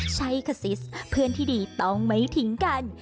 ใช่ค่ะซิสเพื่อนที่ดีต้องไม่ทิ้งกัน